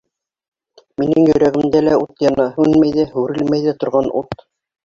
Минең йөрәгемдә лә ут яна. һүнмәй ҙә, һүрелмәй ҙә торған ут.